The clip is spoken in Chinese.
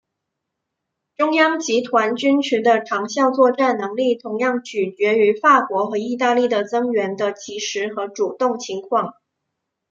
中央集团军群的长效作战能力同样取决于法国和意大利的增援的及时和主动情况。